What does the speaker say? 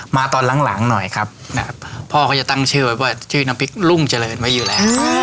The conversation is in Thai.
มาตอนหลังหน่อยครับพ่อเขาจะตั้งชื่อไว้ว่าชื่อน้ำพริกรุ่งเจริญไว้อยู่แล้ว